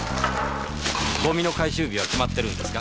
ゴミの回収日は決まってるんですか？